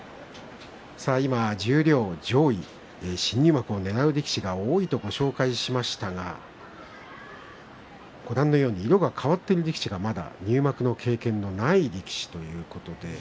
今、十両の上位、新入幕をねらう力士が多いとご紹介しましたがご覧のように色が変わっている力士がまだ入幕の経験がない力士です。